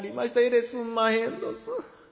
えらいすんまへんどす」。